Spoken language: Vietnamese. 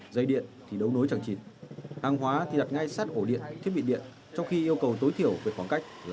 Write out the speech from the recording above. dây điện thì đấu nối chẳng chịt hàng hóa thì đặt ngay sát ổ điện thiết bị điện